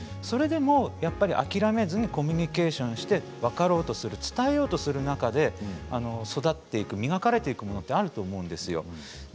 それでも諦めずにコミュニケーションをして分かろうとする、伝えようとする中で育っていく磨かれていくものはあると思うんです。